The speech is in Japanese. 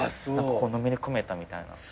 のめり込めたみたいな。